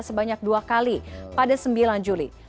sebanyak dua kali pada sembilan juli